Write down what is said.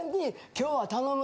「今日は頼む」。